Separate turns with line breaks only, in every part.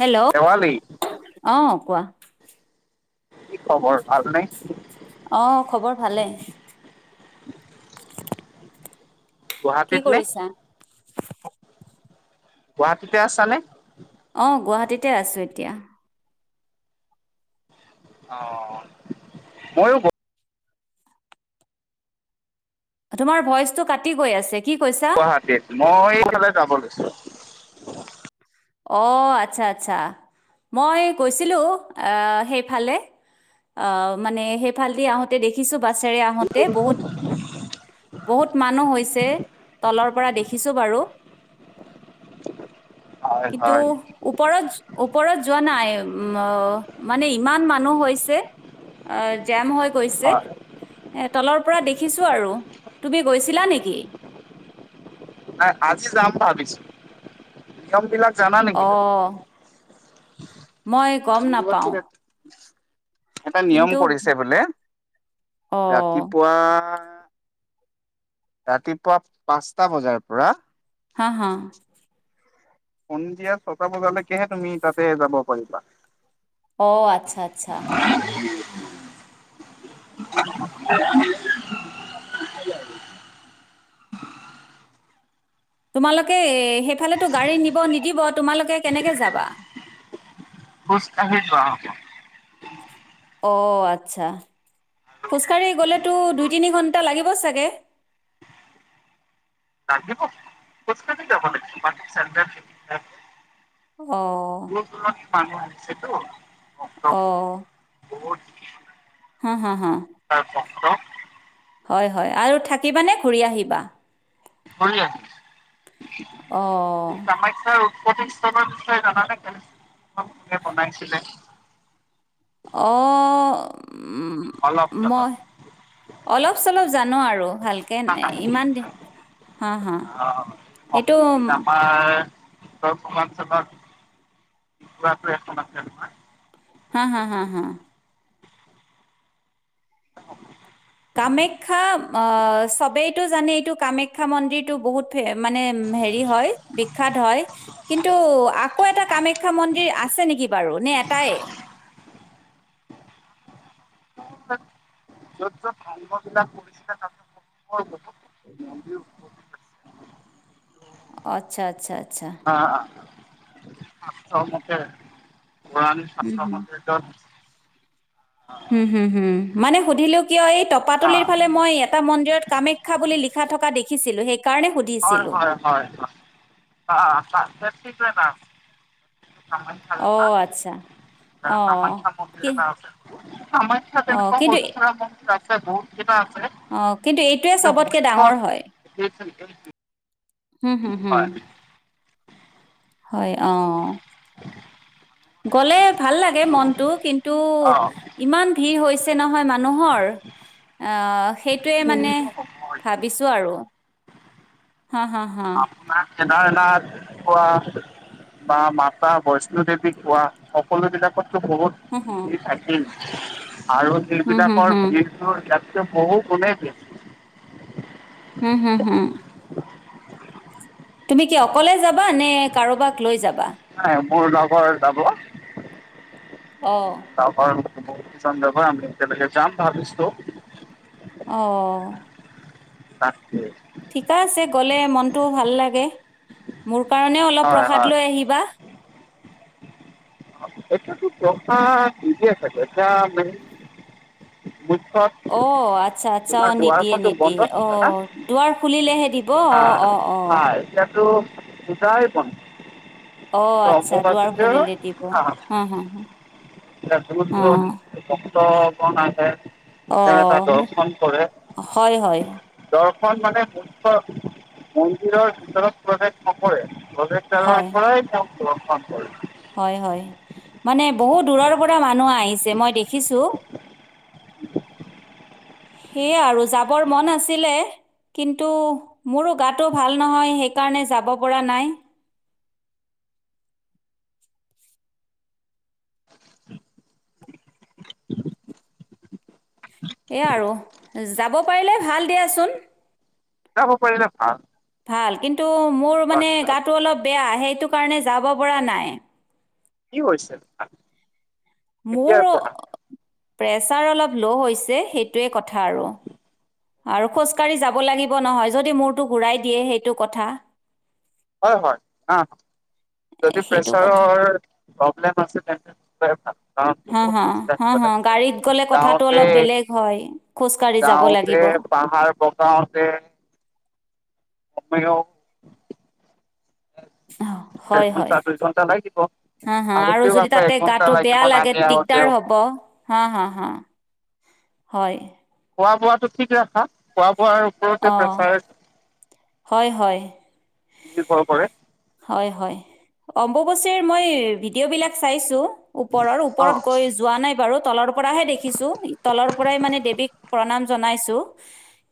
Hello
Shewali.
অ', কোৱা।
কি খবৰ ভাল নে?
অ', খবৰ ভালে। কি
গুৱাহাটীত নে
কৰিছা?
গুৱাহাটীতে আছা নে?
অ', গুৱাহাটীতে আছোঁ এতিয়া।
অ', মইওঁ গ
তোমাৰ ভইচ টো কাটি গৈ আছে, কি কৈছা?
গুৱাহাটীত মই এইফালে যাব লৈছো।
অ আতচ্ছা আতচ্ছা, মই গৈছিলো আহ সেইফালে আহ মানে সেইফালদি আহোতে দেখিছো বাছেৰে আহোতে বহুত বহুত মানুহ হৈছে, তলৰ পৰা দেখিছো বাৰু।
হয়
কিটো
হয়
ওপৰত ওপৰত যোৱা নাই উম অ মানে ইমান মানুহ হৈছে। আ জাম হৈ গৈছে।
হয়
এ তলৰ পৰা দেখিছো আৰু, তুমি গৈছিলা নেকি?
এ আজি যাম ভাবিছো। নিয়ম বিলাক জানা? নেকি তুমি?
অহ, মই গম নাপাওঁ।
[inaudible] এটা নিয়ম
কিন্তু
কৰিছে বোলে,
অ',
ৰাতিপুৱা ৰাতিপুৱা পাঁচটা বজাৰ পৰা
হ হ।
সন্ধিয়া ছটা বজালৈকেহে তুমি তাতে যাব পাৰিবা।
অ আতচ্ছা আতচ্ছা।
[inaudible]
তোমালোকে সেইফালেতো গাড়ী নিব নিদিব তোমালোকে কেনেকে যাবা?
খোজকাঢ়ি যোৱা হ'ব।
অ আচ্ছা, খোজকাঢ়ি গ'লেতো দুই তিনি ঘন্টা- টা লাগিব চাগে।
[inaudible]
অ।
দূৰ দূৰণিৰ মানুহ আহিছে টো
অহ।
বহুত
হ হ হ,
তাৰ বংশ
হয় হয় আৰু থাকিবা নে ঘূৰি আহিবা?
ঘূৰি আহিম, [inaudible]
অ',
প্ৰতিষ্ঠানৰ বিষয়ে জানানে [inaudible] বনাইছিলে?
অহ
অলপ চলপ
মই অলপ চলপ জানো আৰু ভাল
থাকা অহ
হা
শক্তি
এইটো
পিতামাৰ
উম,
উতৰ পূৰ্বাঞ্চলত [inaudible] এখ আছে নহয়।
হা হা হা হা।
[inaudible]
কামাখ্যা আ চবেইতটো জানে এইটো কামাখ্যা মন্দিৰটো বহুত মানে হেৰি হয় বিখ্যাত হয়। কিন্তু আকৌ এটা কামাখ্যা মন্দিৰ আছে নেকি বাৰু, নে এটাই?
য'ত য'ত ভং বিলাক কৰিছিলে তাতে [inaudible] মন্দিৰ
[unintelligible]
উৎপত্তি
অ আচ্ছা আচ্ছা আচ্ছা।
হা শাস্ত্ৰ মতে কোৰান
হুম হুম
[inaudible]
হু হু হুম মানে সুধিলো কিয় এই টপতোলিৰ ফালে মই এটা মন্দিৰত কামাখ্যা বুলি লিখা থকা দেখিছিলো সেইকাৰণে সুধি
হয় হয় হয়
অ
[inaudible] [inaudible]
আচ্ছা অ
কামাখ্যা
কি
মন্দিৰ এটা আছে, কামাখ্যা
অ
তেনেকুৱা
কিন্তু
সৰু সুৰা মন্দিৰ আ ছে বহুত কেইটা আছে।
অ কিন্তু এইটোৱে চবতকৈ ডাঙৰ হয়।
[inaudible]
হুম, হুম, হুম।
হয়
হয় অহ গলে ভাল লাগে মনটো কি ন্তু
অ
ইমান ভিৰ হৈছে নহয় মানুহৰ, আহঁ সেইটোৱে মানে ভাবিছোঁ আৰু হা হা হা।
তাত কেদাৰনাথ কোৱা বা মাতা বৈষ্ণো দেৱী পোৱা বা সকলো বিলাকতো বহুত
হু হু
ভিৰ থাকেই আৰু
হুম হুম
জিবিলাকৰ
হুম
ভিৰ তোৰ ইয়াতকৈ বহুগুণে বেছি।
হম হুম হুম। তুমি কি অকলে যাবা নে কাৰোবাক লৈ যাবা?
নাই মোৰ লগৰ যাব।
অহ।
তাপা বহুত কিজন যাব আমি একেলগে যাম ভাবিছো।
অহ।
তাকে
ঠিকা আছে গ'লে মনটো ভাল লাগে মোৰ কাৰণেও অলপ
হয় হয়
প্ৰসাদ লৈ আহিবা।
প্রসাদ দিলে ছাগে এতিয়া মেইন মুখ্য
অ' আচ্ছা আচ্ছা অ' নিদিয়ে
বন্ধ
নিদিয়ে
হৈছে না
অ' দুৱাৰ খুলিলেহে দিব অ' অ' অ'
ইতিয়াতো সদায় বন্ধ
অ
এতিয়া
আচ্ছা
অম্বুবাচী
দুৱাৰ
যে
খুলিলে দিব
আহ
অ' হ হ
এতিয়া দূৰ দূৰনি ভক্তৰ গন আহে সেই তাত
অ' মোক
দৰ্শন কৰে
হয় হয়
দৰ্শন মানে মুখ্য মন্দিৰৰ ভিতৰত প্ৰৱেশ নকৰে প্ৰৱেশ
হয়
আঁতৰৰ পৰাই তেওঁক ৰ্দশন কৰে
হয় হয় মানে বহুত দূৰৰ পৰা মানুহ আহিছে মই দেখিছোঁ
[inaudible]
সেইয়া আৰু যাবৰ মন আছিলে কিন্তু মোৰো গাটো ভাল নহয় সেইকাৰণে যাব পৰা নাই এইয়া আৰু যাব পাৰিলে ভাল দিয়াচোন
যাব পাৰিলে ভাল
ভাল কিন্তু মোৰ মানে গাটো অলপ বেয়া সেইটো কাৰণে যাব পৰা নাই
কি হৈছে আপোনাৰ
মোৰ প্ৰেছাৰ অলপ ল' হৈছে সেইটোৱে কথা আৰু আৰু খোজকাঢ়ি যাব লাগিব নহয় যদি মূৰটো ঘূৰাই দিয়ে সেইটো কথা
হয় হয় হ
এ,
যদি
সেইটো
প্ৰেছাৰৰ
কথা
হয় প্ৰব্লেম আছে তেন্তে নোজোৱাই ভাল কাৰণ
হ
বহুত
হ
খোজ
হ
কাঢ়িব
হ
লাগিব।
গাড়ীত গ'লে কথাটো
যাওঁতে
অলপ বেলেগ হয় খোজকাঢ়ি যাব
যাওঁতে
লাগিব
পাহাৰ বগাওঁতে কমেও
অহ,
এঘন্টা দুইঘন্টা লাগিব
হ হা আৰু
আহোতেও
যদি
আকৌ
তাতে
এঘন্টা
গাটো
লাগিব
বেয়া লাগে
নামি
দিগদাৰ
আহোতেও।
হ'ব হা হা হা হয়
খোৱা বোৱাটো ঠিক ৰাখা খোৱা বোৱাৰ ওপৰতে
অঁ
প্ৰেছাৰ
হয় হয়
ৰ্নিভৰ কৰে
হয় হয় অম্বুবাচিৰ মই ভিডিঅ' বিলাক চাইছোঁ ওপৰৰ
অ
ওপৰত গৈ যোৱা নাই বাৰু তলৰ পৰাহে দেখিছোঁ তলৰ পৰাই মানে দেৱীক প্ৰণাম জনাইছো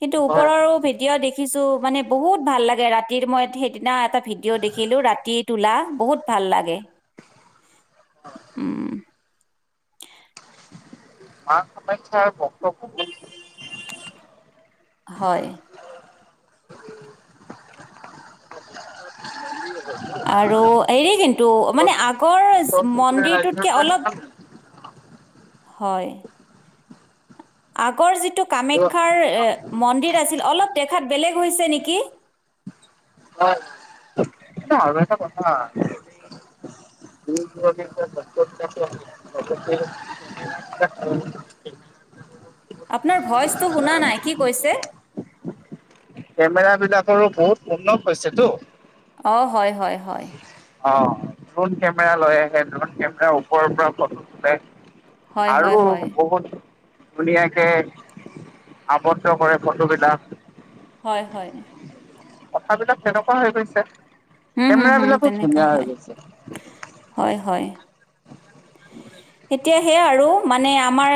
কিন্তু
হয়
ওপৰৰো ভিডিঅ' দেখিছোঁ মানে বহুত ভাল লাগে ৰাতিৰ মই সেইদিনা এটা ভিডিঅ ভিডিঅ দেখিলোঁ ৰাতি তোলা বহুত ভাল লাগে উম
মা কাখ্যাৰ ভক্ত বহুত
হয় আৰু হেৰি কিন্তু মানে
ওচৰ
আগৰ
চুবুৰীয়া ৰাজ্যৰ
মন্দিৰটোতকে
পৰা
অলপ
আহে।
হয় আগৰ যিটো
আৰু
কামাখ্যাৰ এ মন্দিৰ আছিল অলপ দেখাত বেলেগ হৈছে নেকি
হয় আৰু এটা কথা [unintelligible]
আপোনাৰ ভইচটো শুনা নাই কি কৈছে
কেমেৰা বিলাকৰো বহুত উন্নত হৈছে টো
অ হয় হয় হয়
অঁ, ড্ৰোন কেমেৰা লৈ আহে, ড্ৰোন কেমেৰা ওপৰৰ পৰা ফটো তোলে।
হয়, হয়,
আৰু
হয়,
বহুত ধুনীয়াকে আৱদ্ধ কৰে ফটোবিলাক।
হয় হয়।
কথাবিলাক তেনেকুৱা হৈ গৈছে,
হুম, হুম,
কেমেৰা
হুম,
বিলাকো
তেনেকা
ধুনীয়া হৈ
হয়,
গৈছে।
হয় হয়।
[unintelligible]
এতিয়া সেই আৰু মানে আমাৰ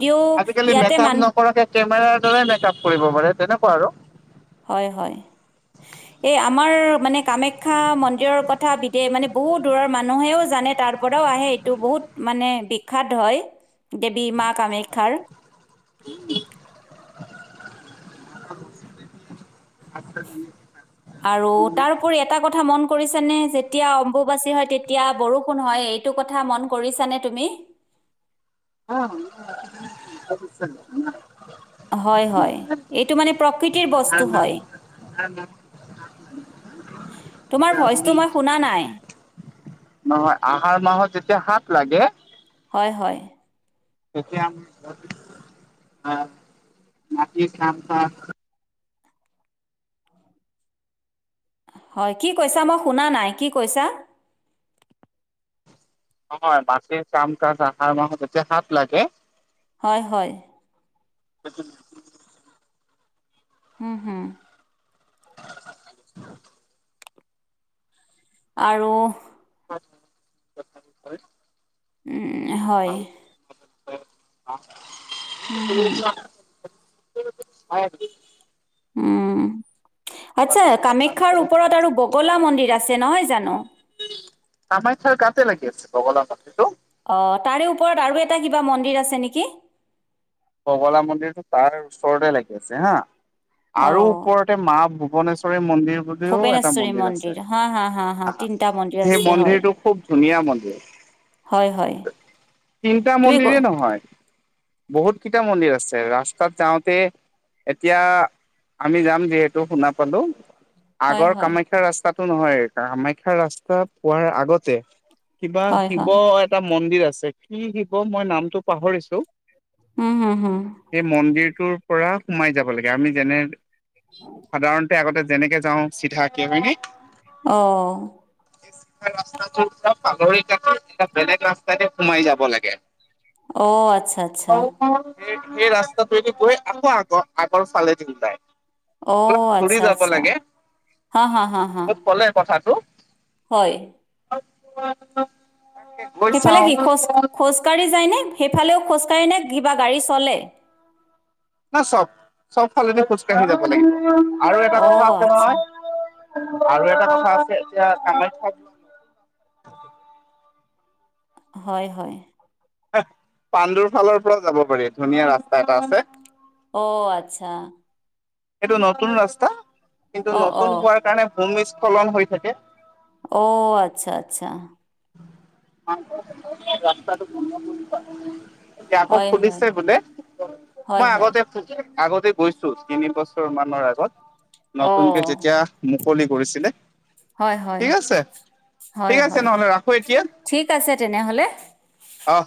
য'ত
আজিকালি মেকাআপ নকৰাকে কেমেৰা দ্বাৰা মেকাআপ কৰিব পাৰে তেনেকুৱা আৰু।
হয় হয়।
[unintelligible]
এই আমাৰ মানে কামাখ্যা মন্দিৰৰ কথা বিদে মানে বহুত দূৰৰ মানুহেও জানে তাৰ পৰাও আহে। টো বহুত মানে বিখ্যাত হয়, দেৱী মা কামাখ্যাৰ।
[unintelligible] [unintelligible]
আৰু তাৰওপৰি এটা কথা মন কৰিছে নে যেতিয়া অম্বুবাচী হয় তেতিয়া বৰষুণ হয়। এইটো কথা মন কৰিছা নে তুমি?
[inaudible]
হয় হয়, এইটো মানে প্ৰকৃতিৰ বস্তু হয়।
[unintelligible]
তোমাৰ ভইচটো মই শুনা নাই?
নহয় আহাৰ মাহত যেতিয়া হাত লাগে।
হয় হয়।
[inaudible]
হয় কি কৈছা, মই শুনা নাই কি কৈছা?
নহয় মাটিৰ কাম কাজ আহাৰ মাহত যেতিয়া হাত লাগে।
হয় হয়।
[unintelligible]
হুম হুম।
[unintelligible]
আৰু
[inaudible]
উম হয়। হুম হুম
[inaudible]
উম, আচ্ছা কামাখ্যাৰ ওপৰত আৰু বগলা মন্দিৰ আছে নহয় জানো।
কামাখ্যাৰ গাতে লাগি আছে বগলা মন্দিৰটো।
অ, তাৰে ওপৰত আৰু এটা কিবা মন্দিৰ আছে নেকি?
বগলা মন্দিৰটো তাৰ ওচৰতে লাগি আছে হা, আৰু
অঁ
ওপৰ তে মা ভূৱনেশ্বৰী মন্দিৰ বু লিও এটা
ভূপেনেশ্বৰী
মন্দিৰ আছে,
হা হা
হা
তিনিটা মন্দিৰ
সেই
আছে হয়
মন্দিৰটো খুব ধুনীয়া মন্দিৰ।
হয় হয়।
তিনিটা
তুমি ক
মন্দিৰেই নহয়, বহুতকেইটা মন্দিৰ আছে ৰাস্তাত যাওঁতে এতিয়া আমি যাম যিহেতু শুনা পালো।
হয়
আগৰ
হয়
কামাখ্যা ৰাস্তাটো নহয়, কামাখ্যা ৰাস্তাৰ পোৱাৰ আগতে কিবা
হয় হয়
শিৱ এটা মন্দিৰ আছে, কি শিৱ মই নামটো পাহৰিছো।
উম', হুম, হুম।
সেই মন্দিৰটোৰ পৰা সোমাই যাব লাগে, আমি যেনে সাধাৰণতে আগতে যেনেকে যাওঁ চিধাকে হয় নে।
অ।
এচ ৰাস্তাটো পৰা ফালৰি কাটি এটা বেলেগ ৰাস্তাইদি সোমাই যাব লাগে।
অ আচ্ছা আচ্ছা।
সেই ৰাস্তাটোয়েদি গৈ আকৌ আগৰ আগৰ ফালেদিও যায়। অলপ
অঁ
ঘুৰি
আচ্ছা
যাব
আচ্ছা
লাগে,
হা হা হা হা
মোক কলে কথাটো।
হয়।
[unintelligible]
সেইফালে কি খোজ
চাওঁ
খোজকাঢ়ি যায়নে? সেইফালেও খোজকাঢ়ে নে কিবা গাড়ী চলে?
না চব চব ফালেদি খোজ কাঢ়ি যাব লাগিব, আৰু এটা কথা
অঁ
আছে
আচ্ছা
নহয় আৰু এটা কথা আছে এতিয়া কামাখ্যা
হয় হয়।
পাণ্ডুৰ ফালৰ পৰাও যাব পাৰি, ধুনীয়া ৰাস্তা এটা আছে।
অ, আচ্ছা!
সেইটো নতুন ৰাস্তা, কিন্তু
অঁ
নতুন
অঁ
হোৱাৰ কাৰণে ভূমিস্খলন হৈ থাকে।
অ', আচ্ছা, আচ্ছা।
ৰাস্তাটো [inaudible] এতিয়া আকৌ
হয় হয়
খুলিছে বোলে
হয়
মই
হয়
আগতে আগতে গৈছো তিনি বছৰ মানৰ আগত, নতুনকে
অ'
যেতিয়া মুকলি কৰিছিলে।
হয় হয়
ঠিক আছে, ঠিক
হয়
আছে
হয়
নহ'লে ৰাখ
ঠিক আছে তেনেহলে।
অহ।